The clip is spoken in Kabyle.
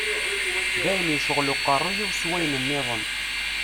D ayen yecɣel uqerruy-iw s wayen-nniḍen.